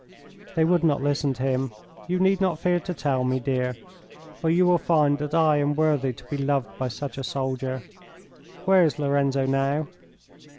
"They would not listen to him! You need not fear to tell me, dear, for you will find that I am worthy to be loved by such a soldier. Where is Lorenzo now?"